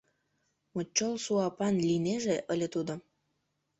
Мочол суапан лийнеже ыле тудо...